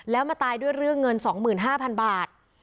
แล้วมาตายด้วยเรื่องเงิน๒๕๐๐๐บาท